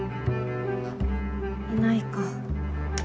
いないか。